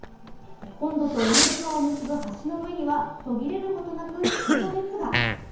本土と江の島を結ぶ橋の上には途切れることなく人の列が。